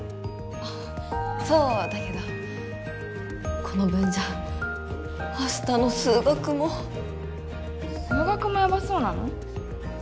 あそうだけどこの分じゃ明日の数学も数学もヤバそうなの？